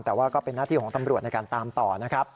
แต่ว่าก็เป็นหน้าที่ของตำรวจในการตามต่อนะครับ